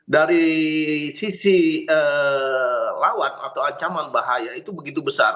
dari sisi lawan atau ancaman bahaya itu begitu besar